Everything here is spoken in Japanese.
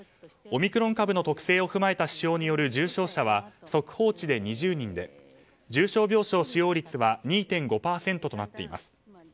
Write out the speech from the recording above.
オミクロン株の特性を踏まえた指標による重症者は速報値で２０人で重症病床使用率は２．５％となっています。